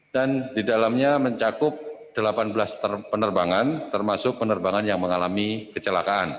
dan di dalamnya mencakup delapan belas penerbangan termasuk penerbangan yang mengalami kecelakaan